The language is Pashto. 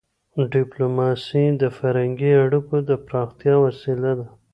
ډيپلوماسي د فرهنګي اړیکو د پراختیا وسیله ده.